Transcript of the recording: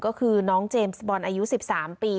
ก็คือน้องเจมส์บอลอายุ๑๓ปี